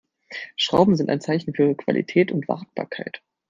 Schrauben sind ein Zeichen für Qualität und Wartbarkeit.